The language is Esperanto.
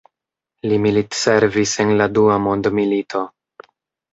Li militservis en la Dua Mondmilito.